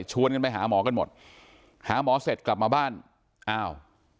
กันไปหาหมอกันหมดหาหมอเสร็จกลับมาบ้านอ้าว